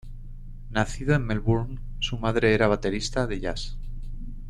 Nacido en Melbourne, su madre era baterista de jazz.